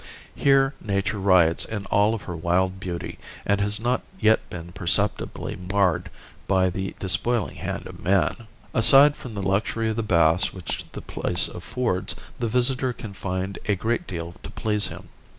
Here nature riots in all of her wild beauty and has not yet been perceptibly marred by the despoiling hand of man. Aside from the luxury of the baths which the place affords the visitor can find a great deal to please him.